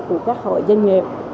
của các hội doanh nghiệp